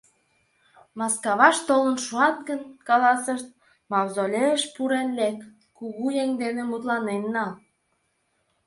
«Маскаваш толын шуат гын, — каласышт, — мавзолейыш пурен лек, кугу еҥ дене мутланен нал».